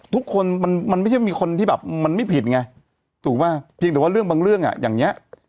ทุกคนมันมันไม่ใช่มีคนที่แบบมันไม่ผิดไงถูกป่ะเพียงแต่ว่าเรื่องบางเรื่องอ่ะอย่างเนี้ย